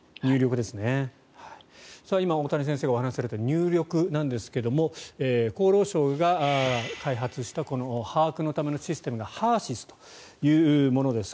今、大谷先生がお話しされた入力なんですが厚労省が開発したこの把握のためのシステムがＨＥＲ−ＳＹＳというものです。